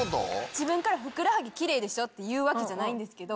自分からふくらはぎキレイでしょ？って言うわけじゃないんですけど。